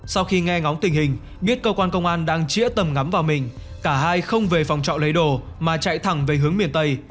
sau khi nghe ngóng tình hình biết cơ quan công an đang chĩa tầm ngắm vào mình cả hai không về phòng trọ lấy đồ mà chạy thẳng về hướng miền tây